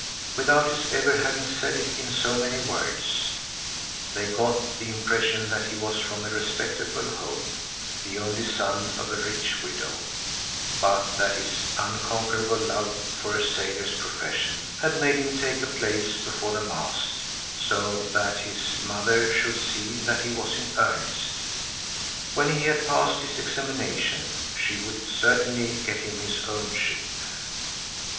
Without his ever having said it in so many words, they got the impression that he was from a respectable home, the only son of a rich widow, but that his unconquerable love for a sailor's profession had made him take a place before the mast, so that his mother should see that he was in earnest. When he had passed his examination, she would certainly get him his own ship.